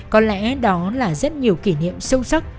có lẽ đó là rất nhiều kỷ niệm sâu sắc